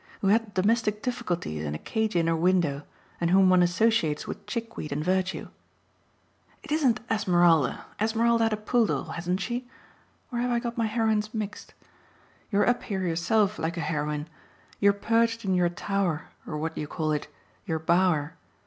who had domestic difficulties and a cage in her window and whom one associates with chickweed and virtue? It isn't Esmeralda Esmeralda had a poodle, hadn't she? or have I got my heroines mixed? You're up here yourself like a heroine; you're perched in your tower or what do you call it? your bower.